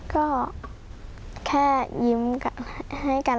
เกาะแค่ยิ้มฉันให้กัน